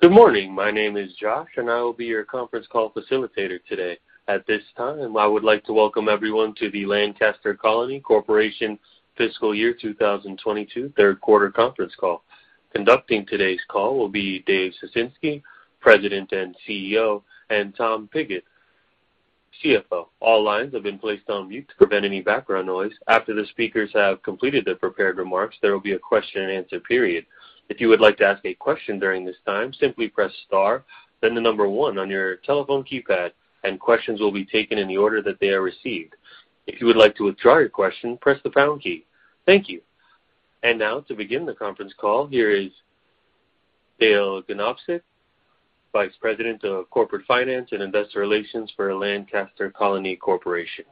Good morning. My name is Josh, and I will be your conference call facilitator today. At this time, I would like to welcome everyone to the Lancaster Colony Corporation Fiscal Year 2022 third quarter Conference Call. Conducting today's call will be Dave Ciesinski, President and CEO, and Tom Pigott, CFO. All lines have been placed on mute to prevent any background noise. After the speakers have completed their prepared remarks, there will be a question-and-answer period. If you would like to ask a question during this time, simply press star, then the number one on your telephone keypad, and questions will be taken in the order that they are received. If you would like to withdraw your question, press the pound key. Thank you. Now to begin the conference call, here is Dale Ganobsik, Vice President of Corporate Finance and Investor Relations for Lancaster Colony Corporation.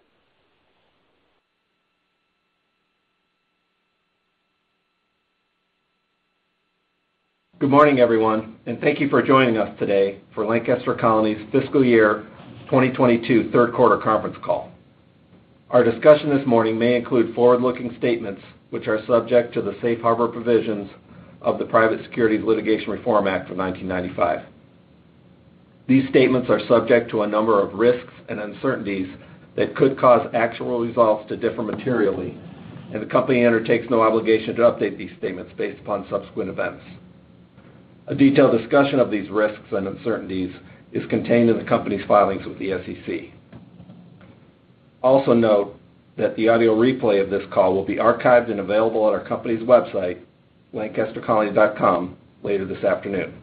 Good morning, everyone, and thank you for joining us today for Lancaster Colony's fiscal year 2022 third quarter conference call. Our discussion this morning may include forward-looking statements which are subject to the safe harbor provisions of the Private Securities Litigation Reform Act of 1995. These statements are subject to a number of risks and uncertainties that could cause actual results to differ materially, and the company undertakes no obligation to update these statements based upon subsequent events. A detailed discussion of these risks and uncertainties is contained in the company's filings with the SEC. Also note that the audio replay of this call will be archived and available on our company's website, lancastercolony.com, later this afternoon.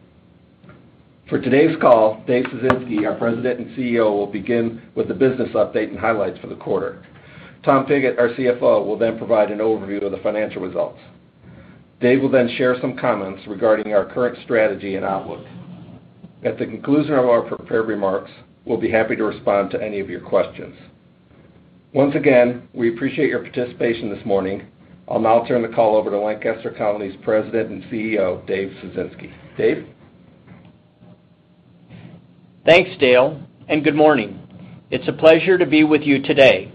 For today's call, Dave Ciesinski, our President and CEO, will begin with the business update and highlights for the quarter. Tom Pigott, our CFO, will then provide an overview of the financial results. Dave will then share some comments regarding our current strategy and outlook. At the conclusion of our prepared remarks, we'll be happy to respond to any of your questions. Once again, we appreciate your participation this morning. I'll now turn the call over to Lancaster Colony's President and CEO, Dave Ciesinski. Dave? Thanks, Dale, and good morning. It's a pleasure to be with you today.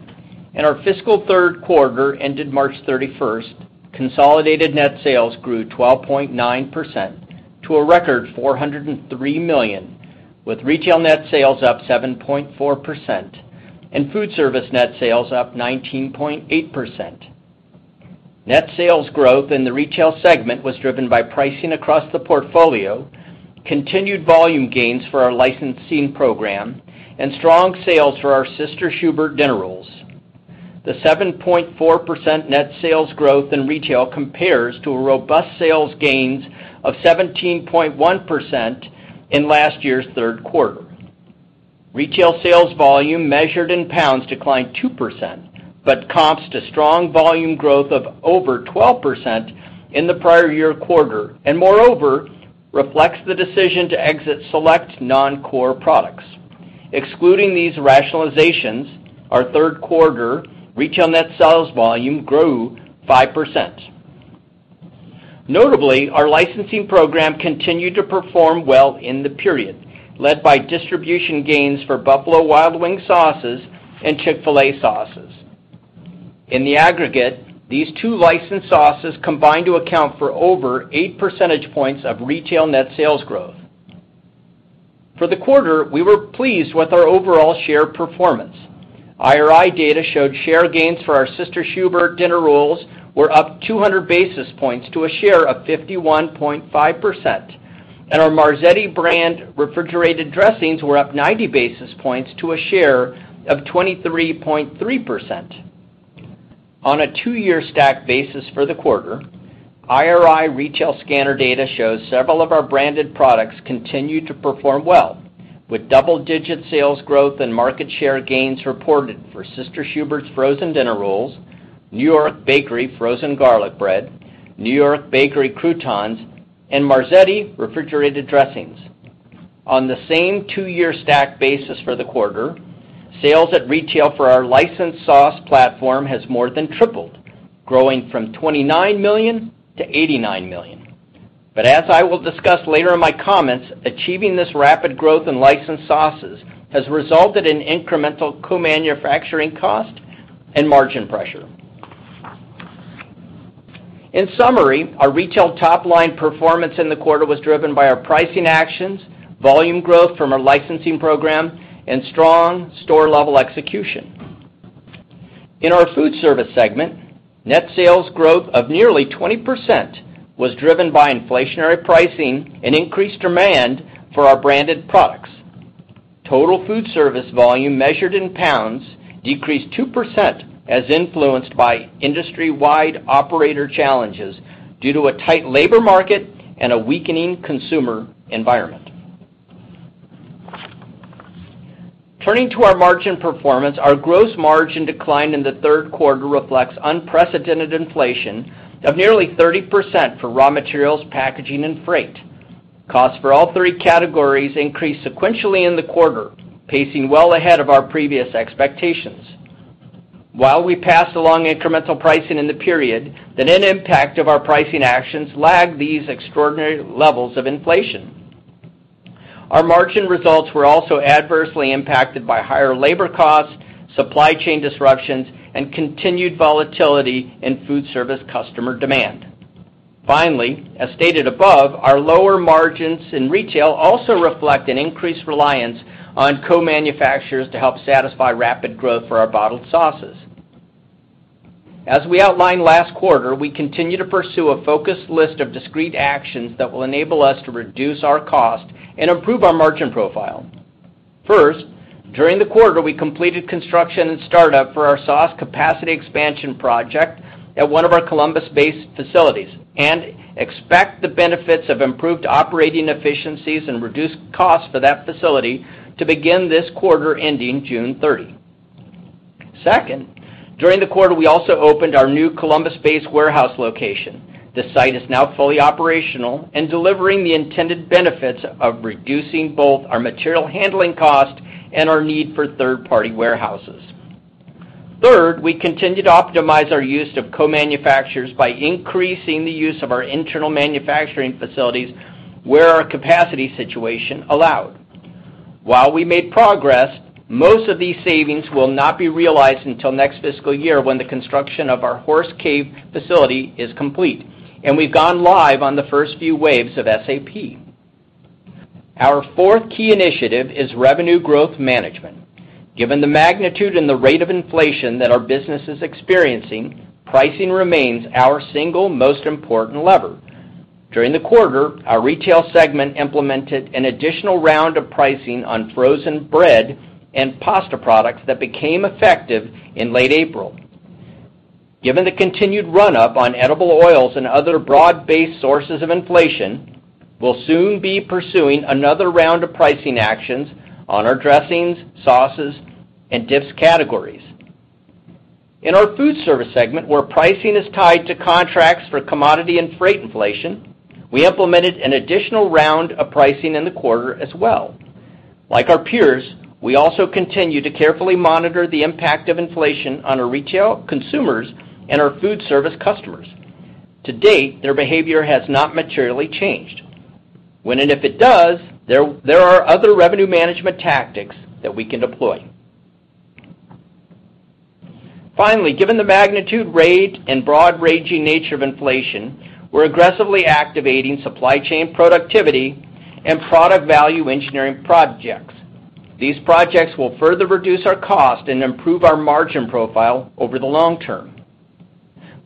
In our fiscal third quarter, ended March 31st, consolidated net sales grew 12.9% to a record $403 million, with retail net sales up 7.4% and food service net sales up 19.8%. Net sales growth in the retail segment was driven by pricing across the portfolio, continued volume gains for our licensing program and strong sales for our Sister Schubert's dinner rolls. The 7.4% net sales growth in retail compares to a robust sales gains of 17.1% in last year's third quarter. Retail sales volume measured in pounds declined 2%, but comps to strong volume growth of over 12% in the prior year quarter and moreover, reflects the decision to exit select non-core products. Excluding these rationalizations, our third quarter retail net sales volume grew 5%. Notably, our licensing program continued to perform well in the period, led by distribution gains for Buffalo Wild Wings sauces and Chick-fil-A sauces. In the aggregate, these two licensed sauces combined to account for over 8 percentage points of retail net sales growth. For the quarter, we were pleased with our overall share performance. IRI data showed share gains for our Sister Schubert's dinner rolls were up 200 basis points to a share of 51.5%, and our Marzetti brand refrigerated dressings were up 90 basis points to a share of 23.3%. On a two-year stack basis for the quarter, IRI retail scanner data shows several of our branded products continued to perform well, with double-digit sales growth and market share gains reported for Sister Schubert's frozen dinner rolls, New York Bakery frozen garlic bread, New York Bakery croutons, and Marzetti refrigerated dressings. On the same two-year stack basis for the quarter, sales at retail for our licensed sauce platform has more than tripled, growing from $29 million to $89 million. As I will discuss later in my comments, achieving this rapid growth in licensed sauces has resulted in incremental co-manufacturing cost and margin pressure. In summary, our retail top line performance in the quarter was driven by our pricing actions, volume growth from our licensing program, and strong store level execution. In our food service segment, net sales growth of nearly 20% was driven by inflationary pricing and increased demand for our branded products. Total food service volume measured in pounds decreased 2% as influenced by industry-wide operator challenges due to a tight labor market and a weakening consumer environment. Turning to our margin performance, our gross margin decline in the third quarter reflects unprecedented inflation of nearly 30% for raw materials, packaging, and freight. Costs for all three categories increased sequentially in the quarter, pacing well ahead of our previous expectations. While we passed along incremental pricing in the period, the net impact of our pricing actions lagged these extraordinary levels of inflation. Our margin results were also adversely impacted by higher labor costs, supply chain disruptions, and continued volatility in food service customer demand. Finally, as stated above, our lower margins in retail also reflect an increased reliance on co-manufacturers to help satisfy rapid growth for our bottled sauces. As we outlined last quarter, we continue to pursue a focused list of discrete actions that will enable us to reduce our cost and improve our margin profile. First, during the quarter, we completed construction and startup for our sauce capacity expansion project at one of our Columbus-based facilities and expect the benefits of improved operating efficiencies and reduced costs for that facility to begin this quarter ending June 30. Second, during the quarter, we also opened our new Columbus-based warehouse location. The site is now fully operational and delivering the intended benefits of reducing both our material handling cost and our need for third-party warehouses. Third, we continue to optimize our use of co-manufacturers by increasing the use of our internal manufacturing facilities where our capacity situation allowed. While we made progress, most of these savings will not be realized until next fiscal year when the construction of our Horse Cave facility is complete and we've gone live on the first few waves of SAP. Our fourth key initiative is revenue growth management. Given the magnitude and the rate of inflation that our business is experiencing, pricing remains our single most important lever. During the quarter, our retail segment implemented an additional round of pricing on frozen bread and pasta products that became effective in late April. Given the continued run-up on edible oils and other broad-based sources of inflation, we'll soon be pursuing another round of pricing actions on our dressings, sauces, and dips categories. In our food service segment, where pricing is tied to contracts for commodity and freight inflation, we implemented an additional round of pricing in the quarter as well. Like our peers, we also continue to carefully monitor the impact of inflation on our retail consumers and our food service customers. To date, their behavior has not materially changed. When and if it does, there are other revenue management tactics that we can deploy. Finally, given the magnitude, rate, and broad-ranging nature of inflation, we're aggressively activating supply chain productivity and product value engineering projects. These projects will further reduce our cost and improve our margin profile over the long term.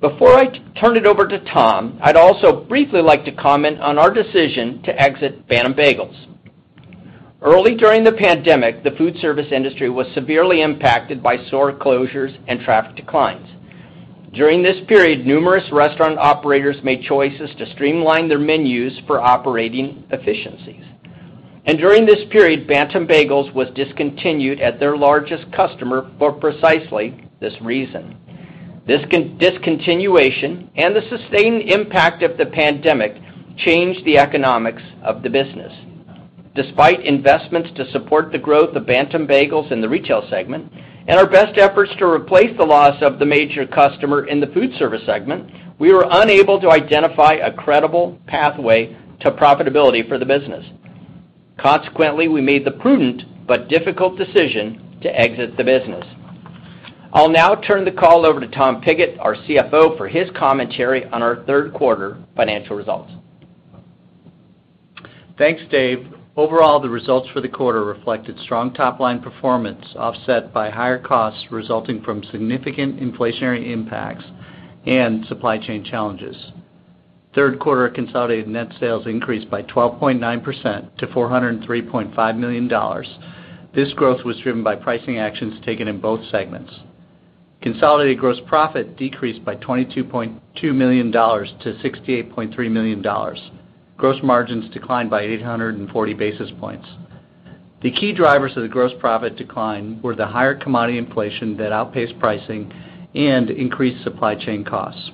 Before I turn it over to Tom, I'd also briefly like to comment on our decision to exit Bantam Bagels. Early during the pandemic, the food service industry was severely impacted by store closures and traffic declines. During this period, numerous restaurant operators made choices to streamline their menus for operating efficiencies. During this period, Bantam Bagels was discontinued at their largest customer for precisely this reason. This discontinuation and the sustained impact of the pandemic changed the economics of the business. Despite investments to support the growth of Bantam Bagels in the retail segment and our best efforts to replace the loss of the major customer in the food service segment, we were unable to identify a credible pathway to profitability for the business. Consequently, we made the prudent but difficult decision to exit the business. I'll now turn the call over to Tom Pigott, our CFO, for his commentary on our third quarter financial results. Thanks, Dave. Overall, the results for the quarter reflected strong top-line performance offset by higher costs resulting from significant inflationary impacts and supply chain challenges. Third quarter consolidated net sales increased by 12.9% to $403.5 million. This growth was driven by pricing actions taken in both segments. Consolidated gross profit decreased by $22.2 million to $68.3 million. Gross margins declined by 840 basis points. The key drivers of the gross profit decline were the higher commodity inflation that outpaced pricing and increased supply chain costs.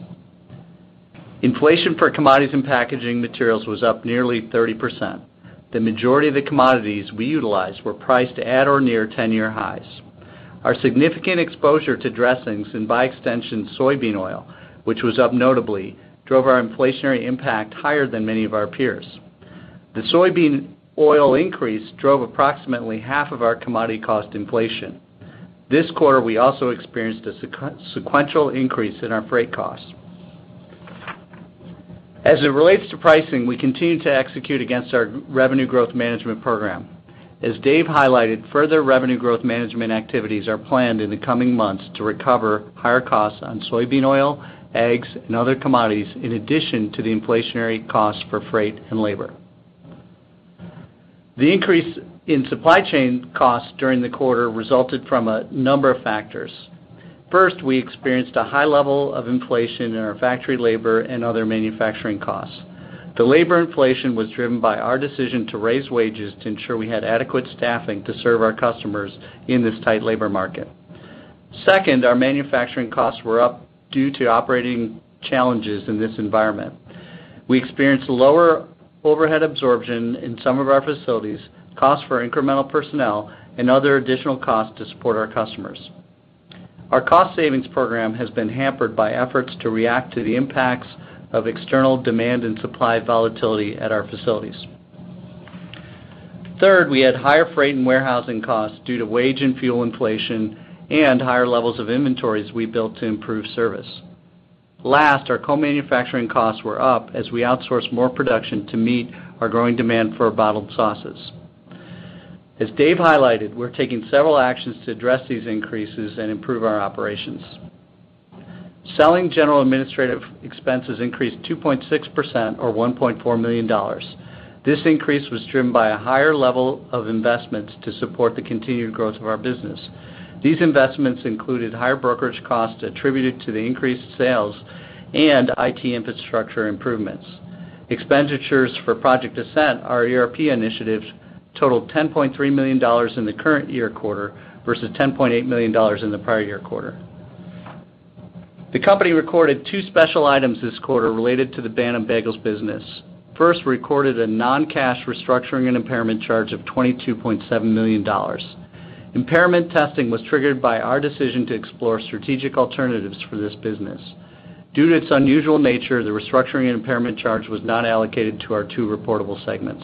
Inflation for commodities and packaging materials was up nearly 30%. The majority of the commodities we utilized were priced at or near 10-year highs. Our significant exposure to dressings and, by extension, soybean oil, which was up notably, drove our inflationary impact higher than many of our peers. The soybean oil increase drove approximately half of our commodity cost inflation. This quarter, we also experienced a sequential increase in our freight costs. As it relates to pricing, we continue to execute against our revenue growth management program. As Dave highlighted, further revenue growth management activities are planned in the coming months to recover higher costs on soybean oil, eggs, and other commodities, in addition to the inflationary costs for freight and labor. The increase in supply chain costs during the quarter resulted from a number of factors. First, we experienced a high level of inflation in our factory labor and other manufacturing costs. The labor inflation was driven by our decision to raise wages to ensure we had adequate staffing to serve our customers in this tight labor market. Second, our manufacturing costs were up due to operating challenges in this environment. We experienced lower overhead absorption in some of our facilities, costs for incremental personnel, and other additional costs to support our customers. Our cost savings program has been hampered by efforts to react to the impacts of external demand and supply volatility at our facilities. Third, we had higher freight and warehousing costs due to wage and fuel inflation and higher levels of inventories we built to improve service. Last, our co-manufacturing costs were up as we outsourced more production to meet our growing demand for bottled sauces. As Dave highlighted, we're taking several actions to address these increases and improve our operations. Selling, general and administrative expenses increased 2.6% or $1.4 million. This increase was driven by a higher level of investments to support the continued growth of our business. These investments included higher brokerage costs attributed to the increased sales and IT infrastructure improvements. Expenditures for Project Ascent, our ERP initiatives, totaled $10.3 million in the current year quarter versus $10.8 million in the prior year quarter. The company recorded two special items this quarter related to the Bantam Bagels business. First, we recorded a non-cash restructuring and impairment charge of $22.7 million. Impairment testing was triggered by our decision to explore strategic alternatives for this business. Due to its unusual nature, the restructuring and impairment charge was not allocated to our two reportable segments.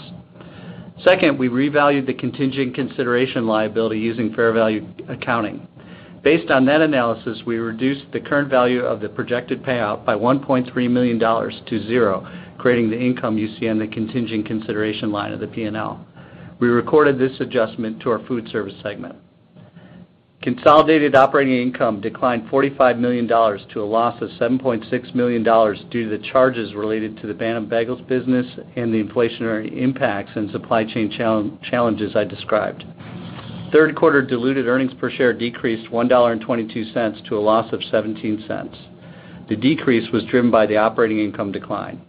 Second, we revalued the contingent consideration liability using fair value accounting. Based on that analysis, we reduced the current value of the projected payout by $1.3 million to zero, creating the income you see on the contingent consideration line of the P&L. We recorded this adjustment to our food service segment. Consolidated operating income declined $45 million to a loss of $7.6 million due to the charges related to the Bantam Bagels business and the inflationary impacts and supply chain challenges I described. Third quarter diluted earnings per share decreased $1.22 to a loss of $0.17. The decrease was driven by the operating income decline.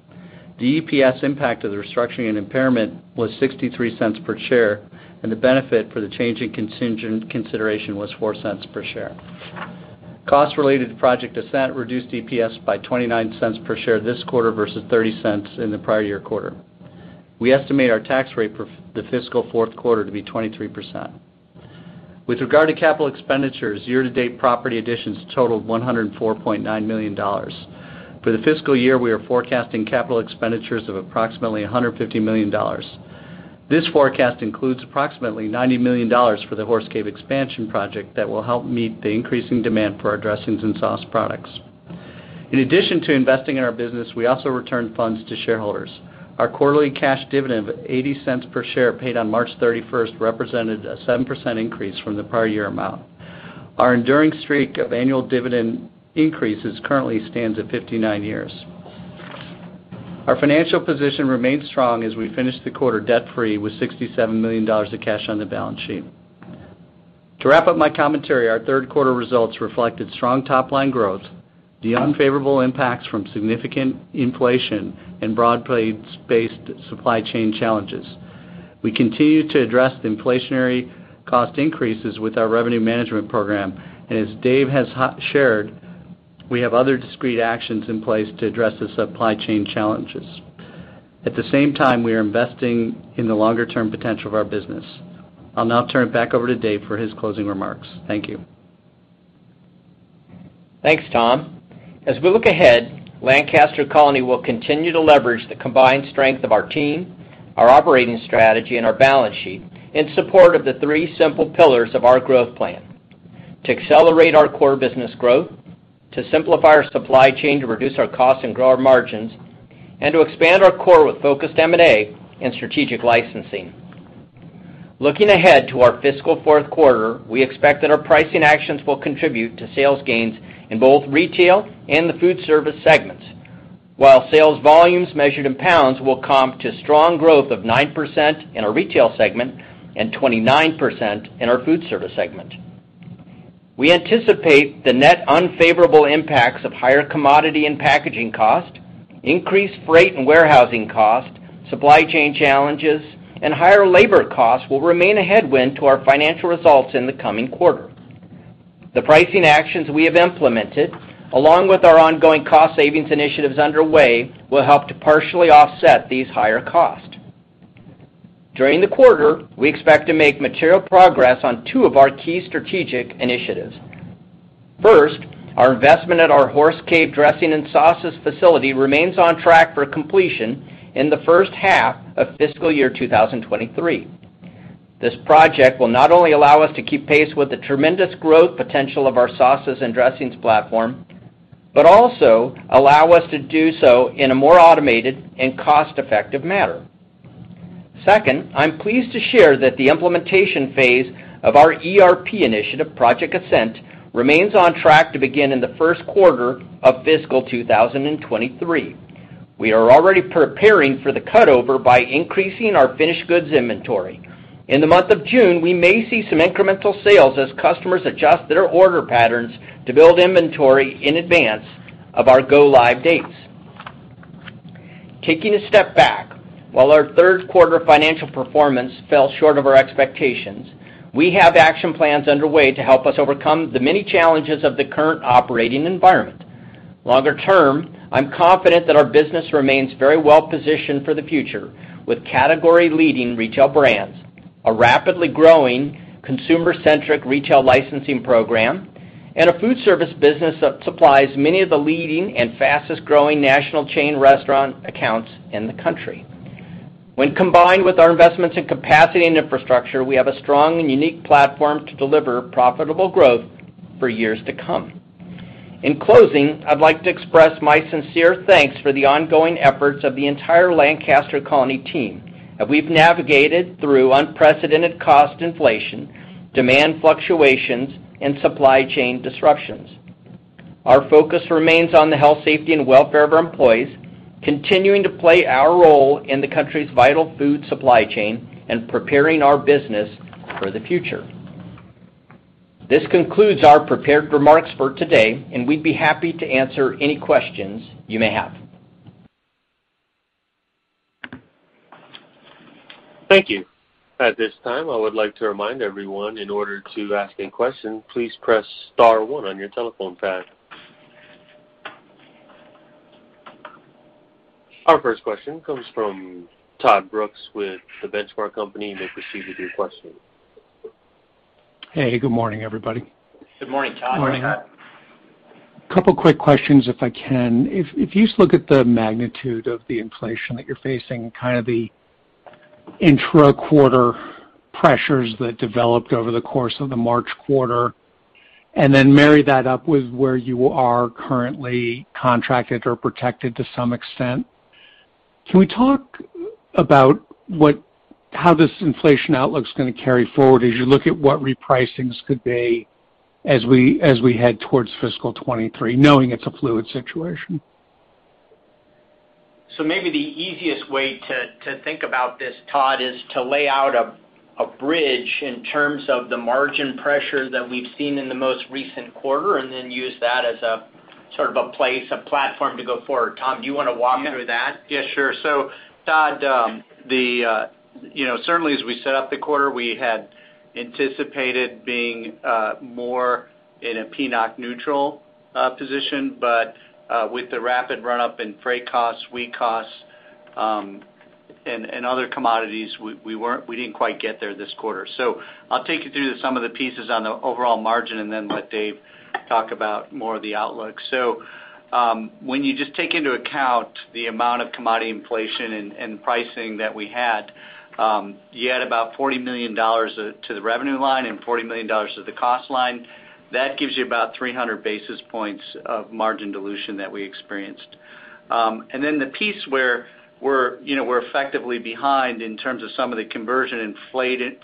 The EPS impact of the restructuring and impairment was $0.63 per share, and the benefit for the change in contingent consideration was $0.04 per share. Costs related to Project Ascent reduced EPS by $0.29 per share this quarter versus $0.30 in the prior year quarter. We estimate our tax rate for the fiscal fourth quarter to be 23%. With regard to capital expenditures, year-to-date property additions totaled $104.9 million. For the fiscal year, we are forecasting capital expenditures of approximately $150 million. This forecast includes approximately $90 million for the Horse Cave expansion project that will help meet the increasing demand for our dressings and sauce products. In addition to investing in our business, we also return funds to shareholders. Our quarterly cash dividend of $0.80 per share paid on March 31st represented a 7% increase from the prior year amount. Our enduring streak of annual dividend increases currently stands at 59 years. Our financial position remains strong as we finish the quarter debt-free with $67 million of cash on the balance sheet. To wrap up my commentary, our third quarter results reflected strong top-line growth, the unfavorable impacts from significant inflation and broad-based supply chain challenges. We continue to address the inflationary cost increases with our revenue management program. As Dave has shared, we have other discrete actions in place to address the supply chain challenges. At the same time, we are investing in the longer-term potential of our business. I'll now turn it back over to Dave for his closing remarks. Thank you. Thanks, Tom. As we look ahead, Lancaster Colony will continue to leverage the combined strength of our team, our operating strategy, and our balance sheet in support of the three simple pillars of our growth plan, to accelerate our core business growth, to simplify our supply chain to reduce our costs and grow our margins, and to expand our core with focused M&A and strategic licensing. Looking ahead to our fiscal fourth quarter, we expect that our pricing actions will contribute to sales gains in both retail and the food service segments, while sales volumes measured in pounds will comp to strong growth of 9% in our retail segment and 29% in our food service segment. We anticipate the net unfavorable impacts of higher commodity and packaging cost, increased freight and warehousing cost, supply chain challenges, and higher labor costs will remain a headwind to our financial results in the coming quarter. The pricing actions we have implemented, along with our ongoing cost savings initiatives underway, will help to partially offset these higher costs. During the quarter, we expect to make material progress on two of our key strategic initiatives. First, our investment at our Horse Cave dressing and sauces facility remains on track for completion in the first half of fiscal year 2023. This project will not only allow us to keep pace with the tremendous growth potential of our sauces and dressings platform, but also allow us to do so in a more automated and cost-effective manner. Second, I'm pleased to share that the implementation phase of our ERP initiative, Project Ascent, remains on track to begin in the first quarter of fiscal 2023. We are already preparing for the cutover by increasing our finished goods inventory. In the month of June, we may see some incremental sales as customers adjust their order patterns to build inventory in advance of our go-live dates. Taking a step back, while our third quarter financial performance fell short of our expectations, we have action plans underway to help us overcome the many challenges of the current operating environment. Longer term, I'm confident that our business remains very well positioned for the future with category-leading retail brands, a rapidly growing consumer-centric retail licensing program, and a food service business that supplies many of the leading and fastest-growing national chain restaurant accounts in the country. When combined with our investments in capacity and infrastructure, we have a strong and unique platform to deliver profitable growth for years to come. In closing, I'd like to express my sincere thanks for the ongoing efforts of the entire Lancaster Colony team as we've navigated through unprecedented cost inflation, demand fluctuations, and supply chain disruptions. Our focus remains on the health, safety, and welfare of our employees, continuing to play our role in the country's vital food supply chain and preparing our business for the future. This concludes our prepared remarks for today, and we'd be happy to answer any questions you may have. Thank you. At this time, I would like to remind everyone in order to ask any question, please press star one on your telephone pad. Our first question comes from Todd Brooks with The Benchmark Company. You may proceed with your question. Hey, Good morning, everybody. Good morning, Todd. Morning, Todd. Couple quick questions, if I can. If you just look at the magnitude of the inflation that you're facing, kind of the intra-quarter pressures that developed over the course of the March quarter, and then marry that up with where you are currently contracted or protected to some extent, can we talk about how this inflation outlook's gonna carry forward as you look at what repricings could be as we head towards fiscal 2023, knowing it's a fluid situation? Maybe the easiest way to think about this, Todd, is to lay out a bridge in terms of the margin pressure that we've seen in the most recent quarter and then use that as a sort of a place, a platform to go forward. Tom, do you wanna walk through that? Yeah, sure. Todd, you know, certainly as we set up the quarter, we had anticipated being more in a P&OC neutral position. With the rapid run-up in freight costs, wheat costs, and other commodities, we weren't. We didn't quite get there this quarter. I'll take you through some of the pieces on the overall margin and then let Dave talk about more of the outlook. When you just take into account the amount of commodity inflation and pricing that we had, you add about $40 million to the revenue line and $40 million to the cost line, that gives you about 300 basis points of margin dilution that we experienced. The piece where we're, you know, we're effectively behind in terms of some of the cost inflation and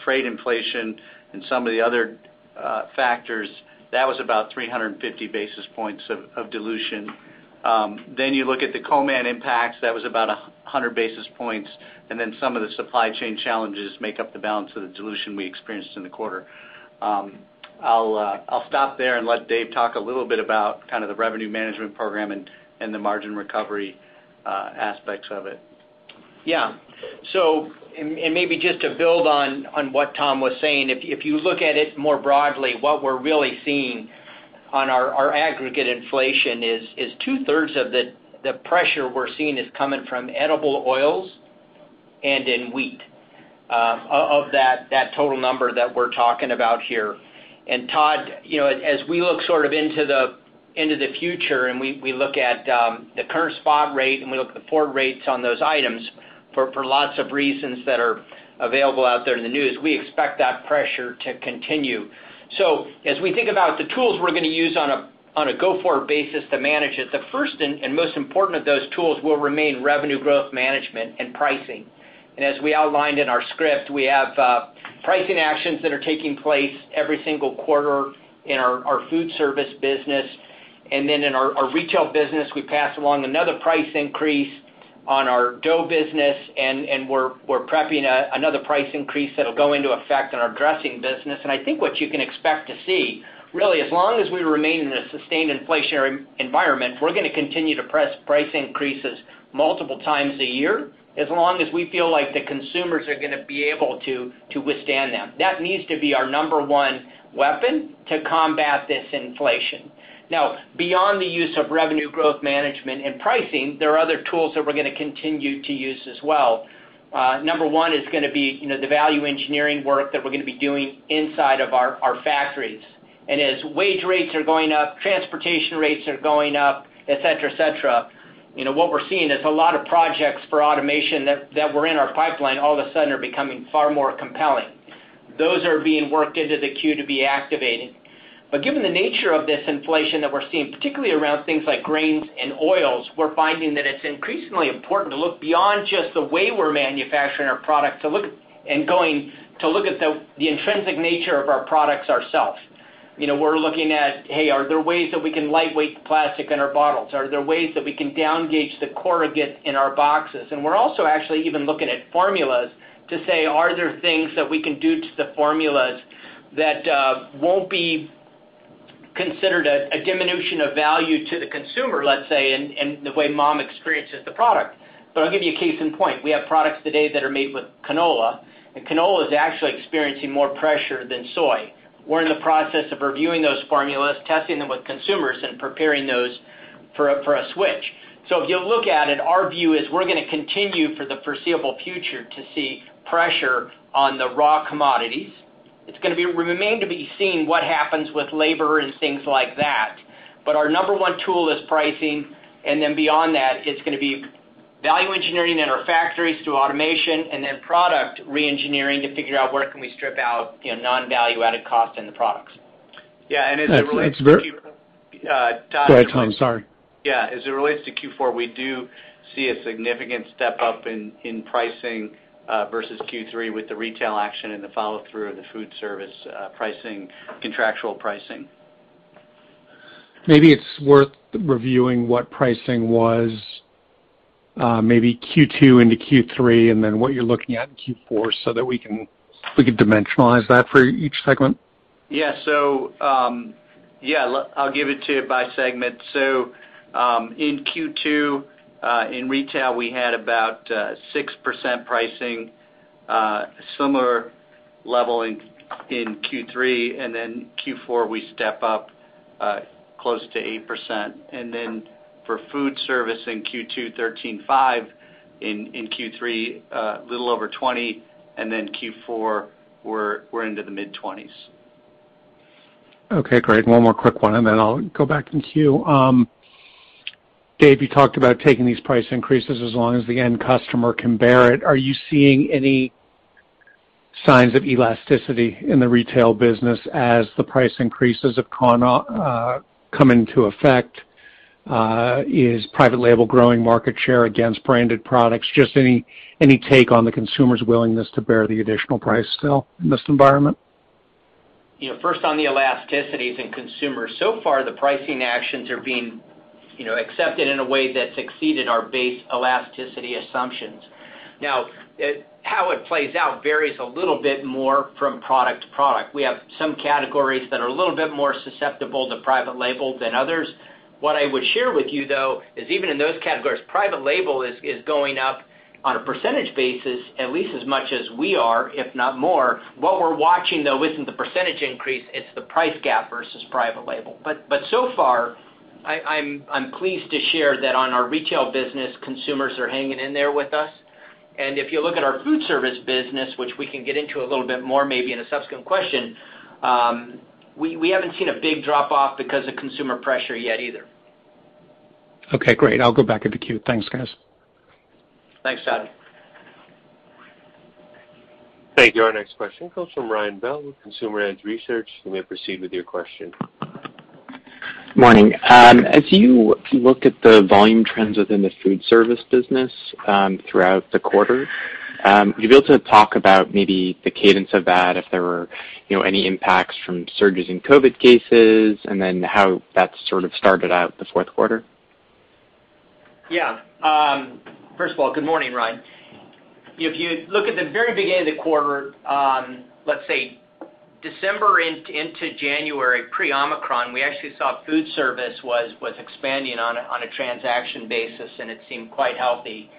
freight inflation and some of the other factors, that was about 350 basis points of dilution. You look at the co-manufacturing impacts, that was about 100 basis points, and some of the supply chain challenges make up the balance of the dilution we experienced in the quarter. I'll stop there and let Dave talk a little bit about kind of the revenue management program and the margin recovery aspects of it. Maybe just to build on what Tom was saying, if you look at it more broadly, what we're really seeing on our aggregate inflation is two-thirds of the pressure we're seeing is coming from edible oils and wheat, of that total number that we're talking about here. Todd, you know, as we look sort of into the future and we look at the current spot rate and we look at the forward rates on those items for lots of reasons that are available out there in the news, we expect that pressure to continue. As we think about the tools we're gonna use on a go-forward basis to manage it, the first and most important of those tools will remain revenue growth management and pricing. As we outlined in our script, we have pricing actions that are taking place every single quarter in our food service business. Then in our retail business, we pass along another price increase on our dough business, and we're prepping another price increase that'll go into effect in our dressing business. I think what you can expect to see, really, as long as we remain in a sustained inflationary environment, we're gonna continue to press price increases multiple times a year as long as we feel like the consumers are gonna be able to withstand them. That needs to be our number one weapon to combat this inflation. Now, beyond the use of revenue growth management and pricing, there are other tools that we're gonna continue to use as well. Number one is gonna be, you know, the value engineering work that we're gonna be doing inside of our factories. As wage rates are going up, transportation rates are going up, et cetera, et cetera, you know, what we're seeing is a lot of projects for automation that were in our pipeline all of a sudden are becoming far more compelling. Those are being worked into the queue to be activated. Given the nature of this inflation that we're seeing, particularly around things like grains and oils, we're finding that it's increasingly important to look beyond just the way we're manufacturing our product and going to look at the intrinsic nature of our products ourselves. You know, we're looking at, hey, are there ways that we can lightweight the plastic in our bottles? Are there ways that we can down gauge the corrugate in our boxes? We're also actually even looking at formulas to say, are there things that we can do to the formulas that won't be considered a diminution of value to the consumer, let's say, in the way mom experiences the product? I'll give you a case in point. We have products today that are made with canola, and canola is actually experiencing more pressure than soy. We're in the process of reviewing those formulas, testing them with consumers, and preparing those for a switch. If you look at it, our view is we're gonna continue for the foreseeable future to see pressure on the raw commodities. It's gonna remain to be seen what happens with labor and things like that. Our number one tool is pricing, and then beyond that, it's gonna be value engineering in our factories through automation and then product re-engineering to figure out where can we strip out, you know, non-value-added cost in the products. Yeah, as it relates to Todd. Go ahead, Tom. Sorry. Yeah. As it relates to Q4, we do see a significant step-up in pricing versus Q3 with the retail action and the follow-through of the food service pricing, contractual pricing. Maybe it's worth reviewing what pricing was, maybe Q2 into Q3 and then what you're looking at in Q4 so that we can dimensionalize that for each segment? Look, I'll give it to you by segment. In Q2, in retail, we had about 6% pricing, similar level in Q3, and then Q4, we step up close to 8%. For food service in Q2, 13.5%; in Q3, a little over 20%; and then Q4, we're into the mid-20s. Okay, great. One more quick one, and then I'll go back in queue. Dave, you talked about taking these price increases as long as the end customer can bear it. Are you seeing any signs of elasticity in the retail business as the price increases have come into effect? Is private label growing market share against branded products? Just any take on the consumer's willingness to bear the additional price still in this environment? You know, first on the elasticities in consumers. So far the pricing actions are being, you know, accepted in a way that's exceeded our base elasticity assumptions. Now, how it plays out varies a little bit more from product to product. We have some categories that are a little bit more susceptible to private label than others. What I would share with you, though, is even in those categories, private label is going up on a percentage basis at least as much as we are, if not more. What we're watching, though, isn't the percentage increase, it's the price gap versus private label. But so far I'm pleased to share that on our retail business, consumers are hanging in there with us. If you look at our food service business, which we can get into a little bit more maybe in a subsequent question, we haven't seen a big drop off because of consumer pressure yet either. Okay, great. I'll go back in the queue. Thanks, guys. Thanks, Todd. Thank you. Our next question comes from Ryan Bell with Consumer Edge Research. You may proceed with your question. Morning. As you look at the volume trends within the food service business, throughout the quarter, would you be able to talk about maybe the cadence of that, if there were, you know, any impacts from surges in COVID cases, and then how that sort of started out the fourth quarter? Yeah. First of all, good morning, Ryan. If you look at the very beginning of the quarter, let's say December into January, Pre-Omicron, we actually saw food service was expanding on a transaction basis, and it seemed quite healthy.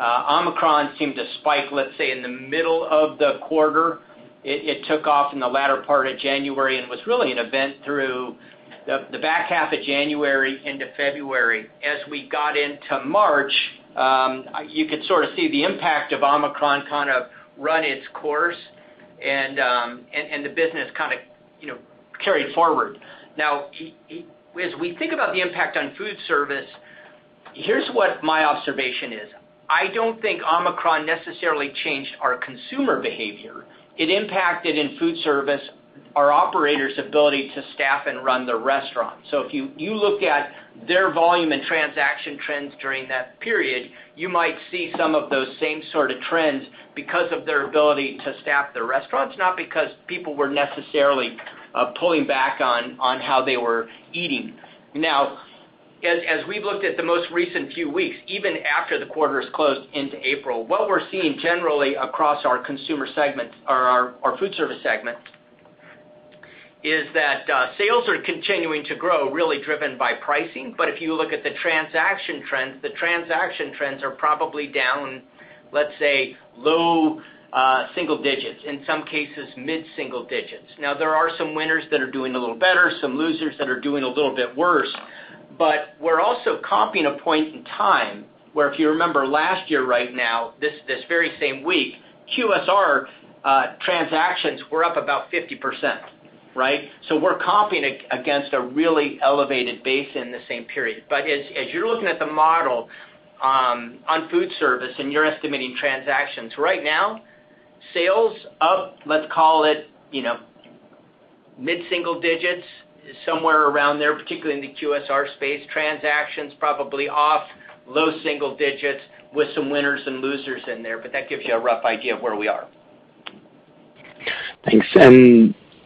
Omicron seemed to spike, let's say, in the middle of the quarter. It took off in the latter part of January and was really an event through the back half of January into February. As we got into March, you could sort of see the impact of Omicron kind of run its course and the business kind of, you know, carried forward. Now, as we think about the impact on food service, here's what my observation is. I don't think Omicron necessarily changed our consumer behavior. It impacted, in food service, our operators' ability to staff and run the restaurant. If you looked at their volume and transaction trends during that period, you might see some of those same sort of trends because of their ability to staff the restaurants, not because people were necessarily pulling back on how they were eating. Now, as we've looked at the most recent few weeks, even after the quarter is closed into April, what we're seeing generally across our consumer segment or our food service segment is that sales are continuing to grow, really driven by pricing. If you look at the transaction trends, the transaction trends are probably down, let's say, low-single digits, in some cases mid-single digits. Now, there are some winners that are doing a little better, some losers that are doing a little bit worse. We're also comping a point in time where if you remember last year right now, this very same week, QSR transactions were up about 50%, right? We're comping against a really elevated base in the same period. As you're looking at the model, on food service and you're estimating transactions, right now, sales up, let's call it, you know, mid-single digits, somewhere around there, particularly in the QSR space. Transactions probably off low single digits with some winners and losers in there, but that gives you a rough idea of where we are. Thanks.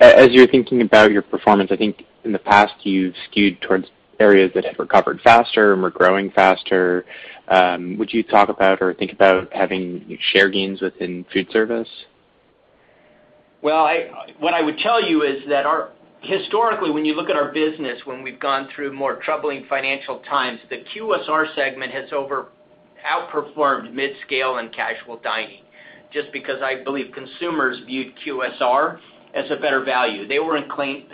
As you're thinking about your performance, I think in the past you've skewed towards areas that have recovered faster and were growing faster. Would you talk about or think about having share gains within food service? Well, what I would tell you is that our historically, when you look at our business when we've gone through more troubling financial times, the QSR segment has outperformed mid-scale and casual dining, just because I believe consumers viewed QSR as a better value. They were inclined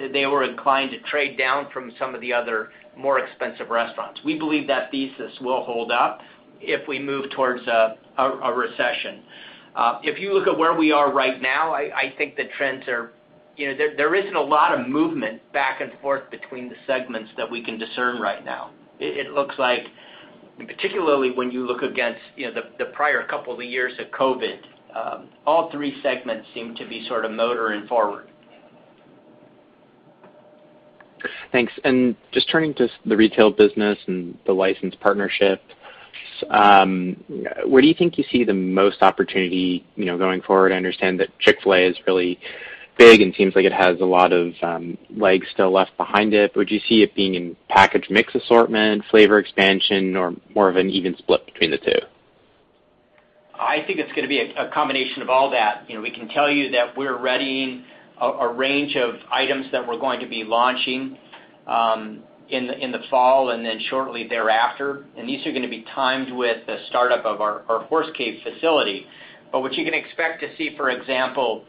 to trade down from some of the other more expensive restaurants. We believe that thesis will hold up if we move towards a recession. If you look at where we are right now, I think the trends are. You know, there isn't a lot of movement back and forth between the segments that we can discern right now. It looks like, particularly when you look against, you know, the prior couple of years of COVID, all three segments seem to be sort of motoring forward. Thanks. Just turning to the retail business and the licensed partnership, where do you think you see the most opportunity, you know, going forward? I understand that Chick-fil-A is really big and seems like it has a lot of legs still left behind it. Would you see it being in packaged mix assortment, flavor expansion, or more of an even split between the two? I think it's gonna be a combination of all that. You know, we can tell you that we're readying a range of items that we're going to be launching in the fall and then shortly thereafter, and these are gonna be timed with the startup of our Horse Cave facility. What you can expect to see, for example,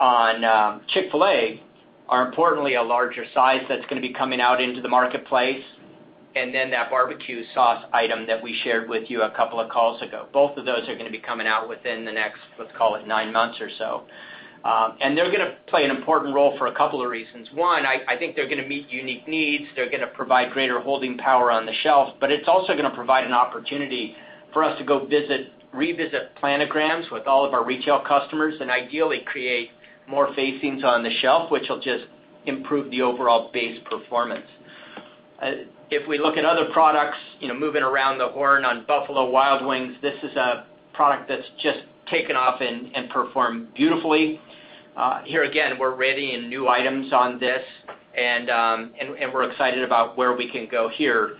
on Chick-fil-A are importantly a larger size that's gonna be coming out into the marketplace, and then that barbecue sauce item that we shared with you a couple of calls ago. Both of those are gonna be coming out within the next, let's call it, nine months or so. They're gonna play an important role for a couple of reasons. One, I think they're gonna meet unique needs. They're gonna provide greater holding power on the shelf, but it's also gonna provide an opportunity for us to go revisit planograms with all of our retail customers and ideally create more facings on the shelf, which will just improve the overall base performance. If we look at other products, you know, moving around the horn on Buffalo Wild Wings, this is a product that's just taken off and performed beautifully. Here again, we're readying new items on this, and we're excited about where we can go here.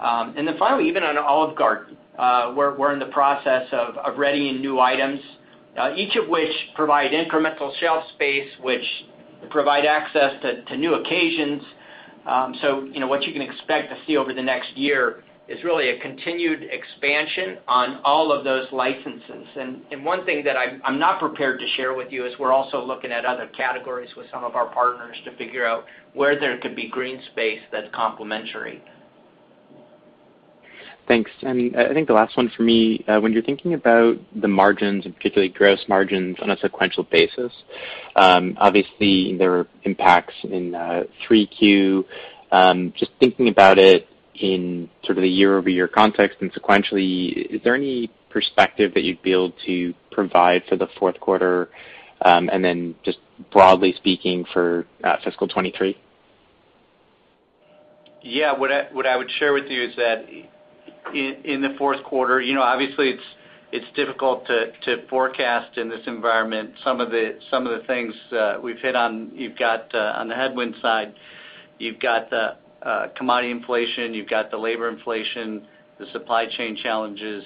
Then finally, even on Olive Garden, we're in the process of readying new items, each of which provide incremental shelf space, which provide access to new occasions. you know, what you can expect to see over the next year is really a continued expansion on all of those licenses. One thing that I'm not prepared to share with you is we're also looking at other categories with some of our partners to figure out where there could be green space that's complementary. Thanks. I think the last one for me, when you're thinking about the margins and particularly gross margins on a sequential basis, obviously, there are impacts in Q3. Just thinking about it in sort of the year-over-year context and sequentially, is there any perspective that you'd be able to provide for the fourth quarter, and then just broadly speaking for fiscal 2023? Yeah. What I would share with you is that in the fourth quarter, you know, obviously it's difficult to forecast in this environment some of the things we've hit on. You've got on the headwind side, you've got the commodity inflation, you've got the labor inflation, the supply chain challenges.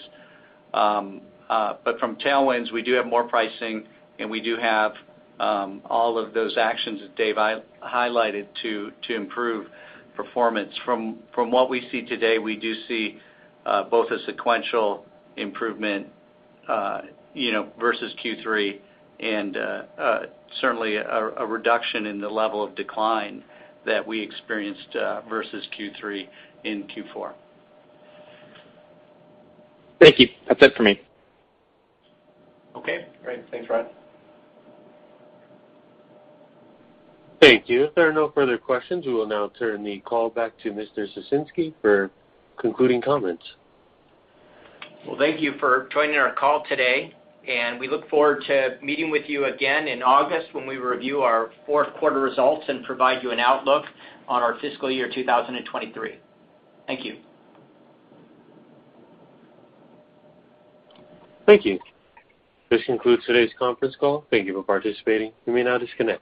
From tailwinds, we do have more pricing, and we do have all of those actions that Dave highlighted to improve performance. From what we see today, we do see both a sequential improvement, you know, versus Q3 and certainly a reduction in the level of decline that we experienced versus Q3 and Q4. Thank you. That's it for me. Okay, great. Thanks, Ryan. Thank you. If there are no further questions, we will now turn the call back to Mr. Ciesinski for concluding comments. Well, thank you for joining our call today, and we look forward to meeting with you again in August when we review our fourth quarter results and provide you an outlook on our fiscal year 2023. Thank you. Thank you. This concludes today's conference call. Thank you for participating. You may now disconnect.